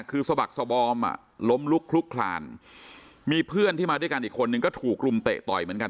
คือสบักสบอมอ่ะล้มลุกคลุกคลานมีเพื่อนที่มาด้วยกันอีกคนนึงก็ถูกรุมเตะต่อยเหมือนกัน